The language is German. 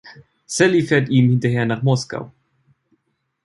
Sally fährt ihm hinterher nach Moskau.